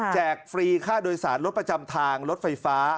ฟรีค่าโดยสารรถประจำทางรถไฟฟ้า